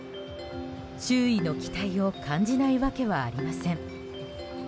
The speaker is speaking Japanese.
周囲の期待を感じないわけはありません。